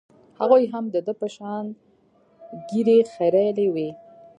هغوى هم د ده په شان ږيرې خرييلې وې.